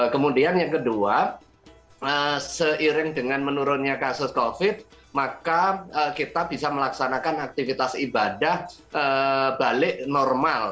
kemudian yang kedua seiring dengan menurunnya kasus covid maka kita bisa melaksanakan aktivitas ibadah balik normal